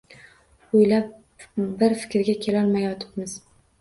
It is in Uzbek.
O‘ylab bir fikrga kelolmayotibmiz